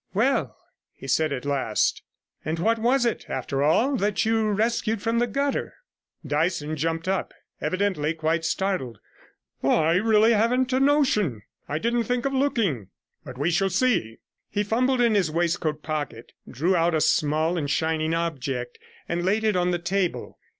'Well,' he said at last, 'and what was it, after all, that you rescued from the gutter?' Dyson jumped up, evidently quite startled. 'I really haven't a notion. I didn't think of looking. But we shall see.' He fumbled in his waistcoat pocket, drew out a small and shining object, and laid it on the table.